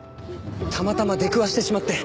たまたま出くわしてしまって。